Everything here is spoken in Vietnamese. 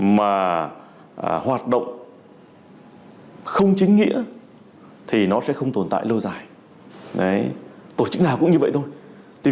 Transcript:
mà hoạt động không chính nghĩa thì nó sẽ không tồn tại lâu dài tổ chức nào cũng như vậy thôi